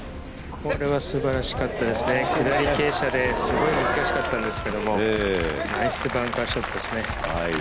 これはすばらしかったですね、下り傾斜ですごい難しかったんですけどナイスバンカーショットですね。